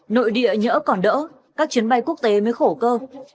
nội địa nhỡ còn đỡ các chuyến bay quốc tế mới khổ cơ